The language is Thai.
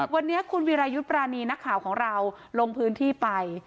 วันนี้คุณวิรายุทธ์ปรานีนักข่าวของเราลงพื้นที่ไป